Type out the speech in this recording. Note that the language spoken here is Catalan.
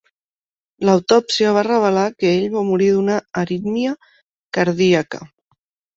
L"autòpsia va revelar que ell va morir d"una arítmia cardíaca.